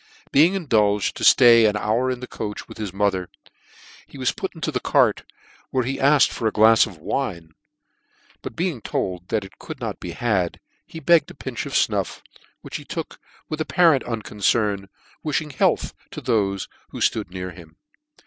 Being indulged to ftay an hour in the coach with his mother, he was put into the cart, where he afkcd for a glafs of wine ; but being told it could not be had, lie begged a pinch of muff, which he took with apparent unconcern, wifhing health to Ihofe who Hood near him.